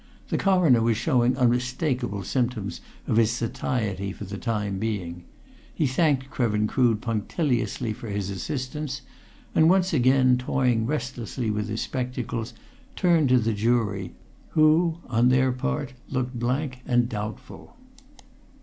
The Coroner was showing unmistakable symptoms of his satiety for the time being. He thanked Krevin Crood punctiliously for his assistance, and once again toying restlessly with his spectacles, turned to the jury, who, on their part, looked blank and doubtful.